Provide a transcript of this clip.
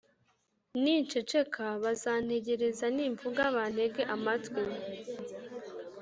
Ninceceka bazantegereza, nimvuga bantege amatwi;